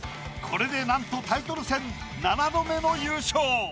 これでなんとタイトル戦７度目の優勝。